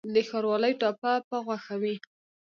د ښاروالۍ ټاپه په غوښه وي؟